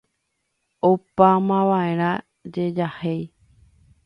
Opámavaʼerã jejahéi.